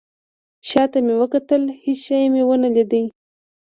شاته مې وکتل. هیڅ شی مې ونه لید